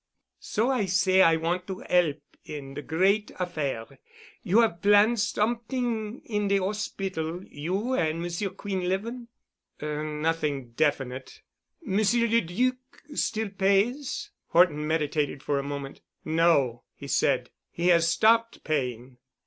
So I say I want to help in de great affair. You have planned somet'ing in the hospital—you and Monsieur Quinlevin?" "Er—nothing definite." "Monsieur le Duc still pays?" Horton meditated for a moment. "No," he said, "he has stopped paying."